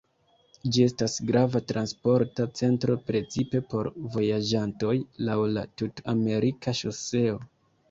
Ĝi estas grava transporta centro, precipe por vojaĝantoj laŭ la Tut-Amerika Ŝoseo.